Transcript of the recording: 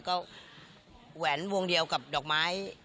ก็แหวนวงเดียวกับดอกไม้